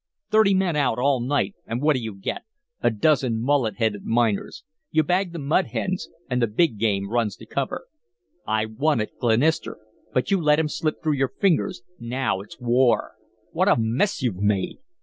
Thirty men out all night and what do you get? A dozen mullet headed miners. You bag the mud hens and the big game runs to cover. I wanted Glenister, but you let him slip through your fingers now it's war. What a mess you've made!